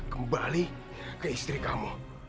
kembali ke istri kamu